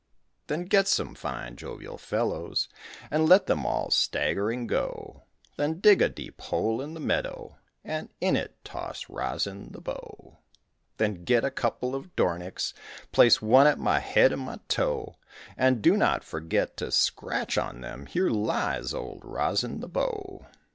Then get some fine, jovial fellows, And let them all staggering go; Then dig a deep hole in the meadow And in it toss Rosin the Bow. Then get a couple of dornicks, Place one at my head and my toe, And do not forget to scratch on them, "Here lies Old Rosin the Bow."